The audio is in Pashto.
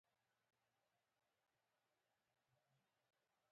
رسۍ هم ساتي، هم بندوي.